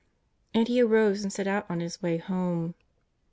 And he arose and set out on his way home.